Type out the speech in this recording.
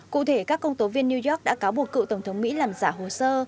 cụ thể các công tố viên new york đã cáo buộc cựu tổng thống mỹ làm giả hồ sơ